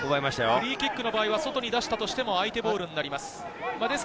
フリーキックの場合は外に出したとしても、相手ボールになります。